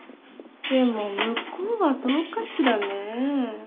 でも向こうはどうかしらね。